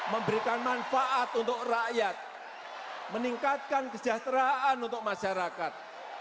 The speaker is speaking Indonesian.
memberikan manfaat untuk rakyat meningkatkan kesejahteraan untuk masyarakat